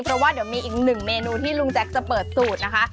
เพราะว่าเดี๋ยวมีอีกหนึ่งเมนูที่ลุงแจ๊คจะเปิดสูตรนะคะ